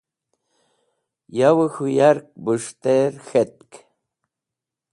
Yavẽ k̃hũ yark bũs̃htẽr k̃hetk.